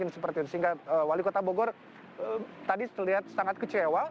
sehingga wali kota bogor tadi terlihat sangat kecewa